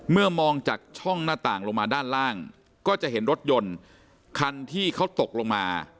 มองจากช่องหน้าต่างลงมาด้านล่างก็จะเห็นรถยนต์คันที่เขาตกลงมา